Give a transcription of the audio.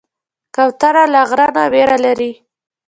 کوتره له غره نه ویره لري.